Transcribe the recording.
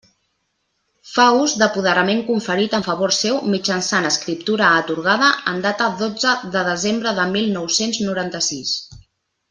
Fa ús d'apoderament conferit en favor seu mitjançant escriptura atorgada en data dotze de desembre de mil nou-cents noranta-sis.